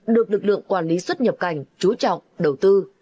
được lực lượng quản lý xuất nhập cảnh chú trọng đầu tư